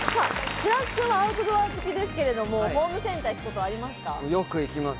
白洲君はアウトドア好きですけどホームセンターに行くことはありよく行きます。